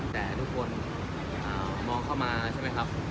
แต่ทุกคนมองเข้ามาใช่ไหมครับ